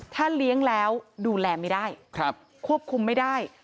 ถ้าเลี้ยงแล้วดูแลไม่ได้ควบคุมไม่ได้